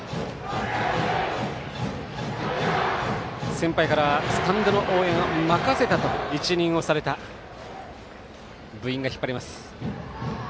先輩からスタンドの応援を任せたと一任をされた部員が引っ張ります。